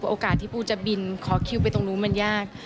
โอกาสที่ปูจะบินขอคิวไปตรงนู้นมันยาก